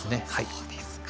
そうですか。